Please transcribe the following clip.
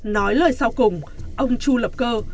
nói lời sau cùng ông chu lập cơ